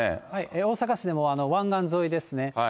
大阪市でも湾岸沿いですね。